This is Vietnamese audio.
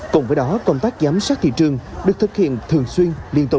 cùng với đó công tác giám sát thị trường được thực hiện thường xuyên